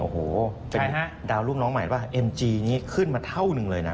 เป็นดาวรุ่นน้องใหม่มก็ขึ้นมาเท่านึงเลยนะ